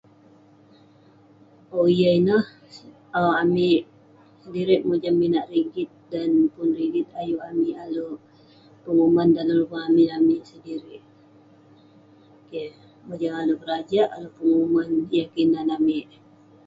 Owk..yah ineh um amik sedirik mojam minak rigit dan pun rigit ayuk amik alek penguman dalem luvang lamin amik sedirik..keh, mojam alek berajak, alek penguman yah kinan amik..